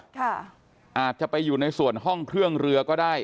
อาจจะไปอยู่ในส่วนห้องเครื่องเรือก็ได้